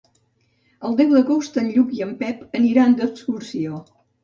El deu d'agost en Lluc i en Pep aniran d'excursió.